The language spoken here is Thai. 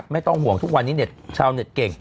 ไม่ต้องห่วงทุกวันนี้เน็ตชาวเต็ดเก่ง